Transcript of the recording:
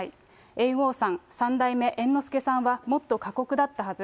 猿翁さん、三代目猿之助さんはもっと過酷だったはず。